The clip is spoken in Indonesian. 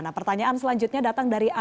nah pertanyaan selanjutnya datang dari